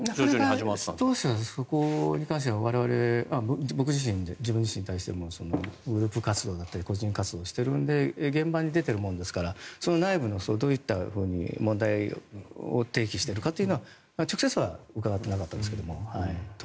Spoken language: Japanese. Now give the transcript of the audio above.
なかなか当初はそこに関しては僕自身、自分自身に対してもグループ活動だったり個人活動をしているので現場に出ているものですからその内部のどういったふうに問題を提起しているかというのは直接は伺ってなかったんですけれども。